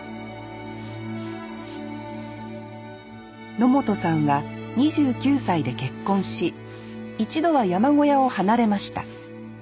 野本さんは２９歳で結婚し一度は山小屋を離れました。